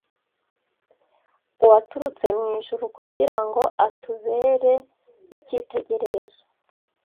Uwaturutse mu ijuru kugira ngo atubere icyitegererezo